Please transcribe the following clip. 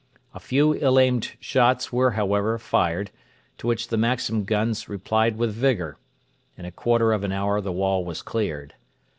A few ill aimed shots were, however, fired, to which the Maxim guns replied with vigour. In a quarter of an hour the wall was cleared.